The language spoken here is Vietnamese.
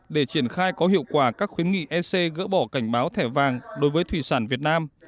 để triển khai có hiệu quả các khuyến nghị ec gỡ bỏ cảnh báo thẻ vàng đối với thủy sản việt nam